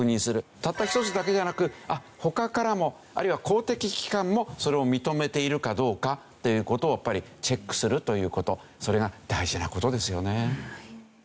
たった一つだけではなく他からもあるいは公的機関もそれを認めているかどうかっていう事をやっぱりチェックするという事それが大事な事ですよね。